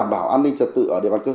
bảo an ninh trật tự ở địa bàn cơ